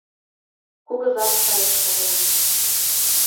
Кугызат сареш колен.